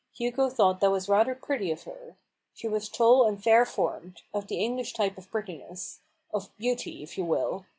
Hugo thought that was rather pretty of her. She was tall and fair formed ; of the English type of prettiness — of beauty, if you will